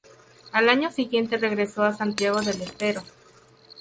Al año siguiente regresó a Santiago del Estero.